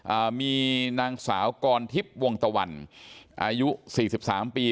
อ่ามีนางสาวกรทิพย์วงตะวันอายุสี่สิบสามปี